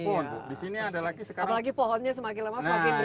apalagi pohonnya semakin lama semakin